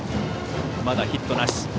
まだヒットなし。